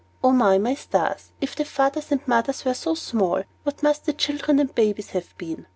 And O, my stars! if the fathers and mothers were so small, what must the children and babies have been?